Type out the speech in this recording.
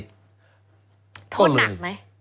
ทนหนักไหม